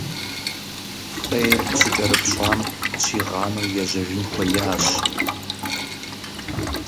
Фӏейр къыщыкӏэрыпщӏам къыщигъанэу ежьэжын хуеящ.